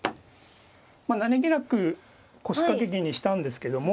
まあ何気なく腰掛け銀にしたんですけども。